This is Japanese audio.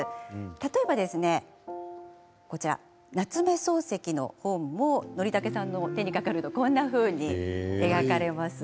例えば夏目漱石の本もＮｏｒｉｔａｋｅさんの手にかかるとこんなふうに描かれます。